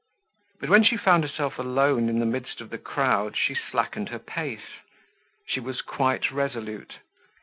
But when she found herself alone in the midst of the crowd, she slackened her pace. She was quite resolute.